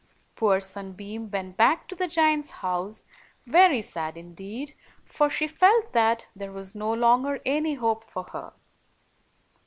Poor Sunbeam went back to the giant's house very sad indeed, for she felt that there was no longer any hope for her.